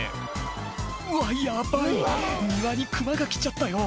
「うわヤバい庭にクマが来ちゃったよ」